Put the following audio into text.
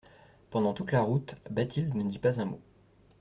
Pendant toute la route, Bathilde ne dit pas un mot.